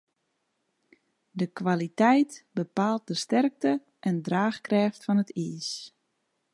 De kwaliteit bepaalt de sterkte en draachkrêft fan it iis.